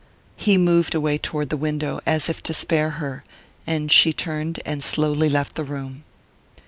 He moved away toward the window, as if to spare her; and she turned and slowly left the room.